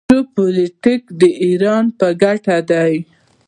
جیوپولیټیک د ایران په ګټه دی.